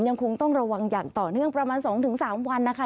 ยังคงต้องระวังอย่างต่อเนื่องประมาณ๒๓วันนะคะ